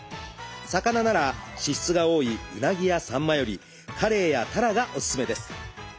魚なら脂質が多いウナギやサンマよりカレイやタラがおすすめです。